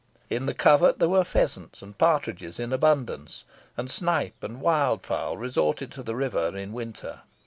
In the covert there were pheasants and partridges in abundance, and snipe and wild fowl resorted to the river in winter.